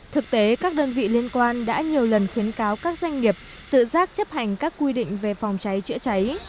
thực tế các đơn vị liên quan đã nhiều lần khuyến cáo các doanh nghiệp tự giác chấp hành các quy định về phòng cháy chữa cháy